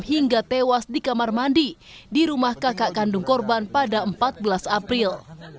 hingga tewas di kamar mandi di rumah kakak kandung korban pada empat belas april